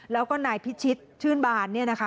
แล้วก็นายพิชิศชื่นบาล